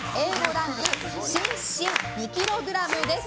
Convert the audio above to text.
ランク芯々２ｋｇです。